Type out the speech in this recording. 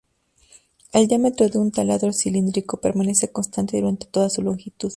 El diámetro de un taladro cilíndrico permanece constante durante toda su longitud.